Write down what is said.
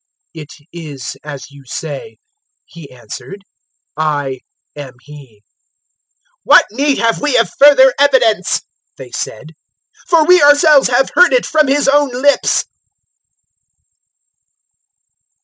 "It is as you say," He answered; "I am He." 022:071 "What need have we of further evidence?" they said; "for we ourselves have heard it from his own lips."